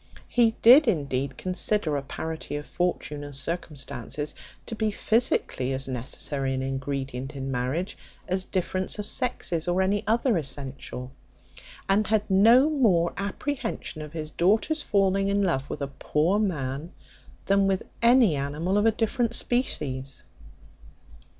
He did indeed consider a parity of fortune and circumstances to be physically as necessary an ingredient in marriage, as difference of sexes, or any other essential; and had no more apprehension of his daughter's falling in love with a poor man, than with any animal of a different species.